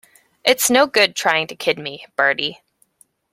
It's no good trying to kid me, Bertie.